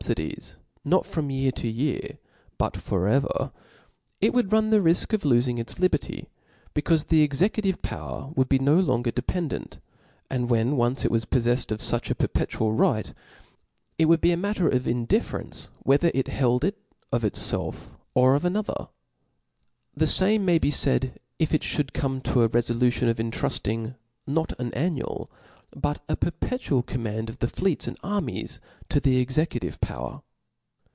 If the legiflative power was to fettle the fubfidies, not from year to year, but for ever, it would run the rifk of loiing its liberty, becaufe the executive power would be no longer dependent ; and whea once it was pofiefled of fuch a perpetual right, it would be a matter of indifference, whether it held it of itfelf, or of another. The fam^ may be faid, if it (hould come to a refolution of intrulling, not an annual, but a perpetual command, of the fleets 9ad armies to the executive power.